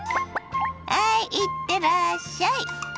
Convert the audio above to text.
ハイいってらっしゃい。